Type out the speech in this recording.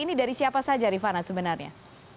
ini dari siapa saja rifana sebenarnya